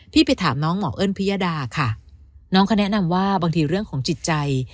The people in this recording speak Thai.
ไปถามน้องหมอเอิ้นพิยดาค่ะน้องเขาแนะนำว่าบางทีเรื่องของจิตใจ